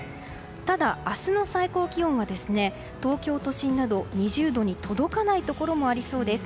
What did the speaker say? ただ、明日の最高気温は東京都心など２０度に届かないところもありそうです。